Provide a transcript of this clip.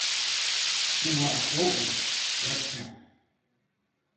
Кува огыл — шӧртньӧ!